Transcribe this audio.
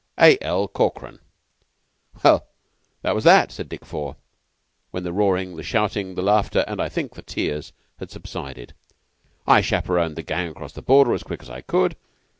"'A. L. Cockran.' "Well, that was all," said Dick Four, when the roaring, the shouting, the laughter, and, I think, the tears, had subsided. "I chaperoned the gang across the border as quick as I could.